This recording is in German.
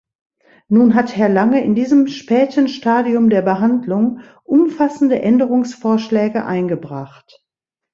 Nun hat Herr Lange in diesem späten Stadium der Behandlung umfassende Änderungsvorschläge eingebracht.